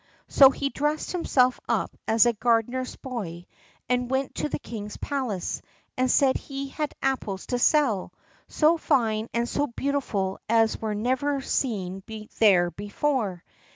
So he dressed himself up as a gardener's boy, and went to the king's palace, and said he had apples to sell, so fine and so beautiful as were never seen there before.